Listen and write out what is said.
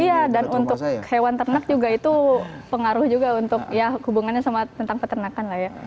iya dan untuk hewan ternak juga itu pengaruh juga untuk ya hubungannya sama tentang peternakan lah ya